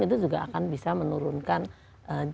itu juga akan bisa menurunkan jumlah